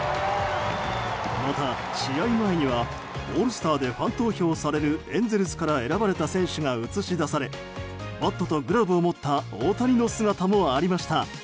また、試合前にはオールスターでファン投票されるエンゼルスから選ばれた選手が映し出されバットとグラブを持った大谷の姿もありました。